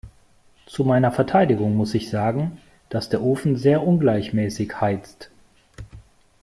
Zu meiner Verteidigung muss ich sagen, dass der Ofen sehr ungleichmäßig heizt.